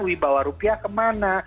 wih bawa rupiah kemana